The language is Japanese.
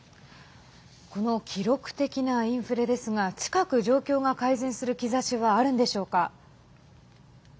この記録的なインフレですが近く状況が改善する兆しはあるんでしょうか。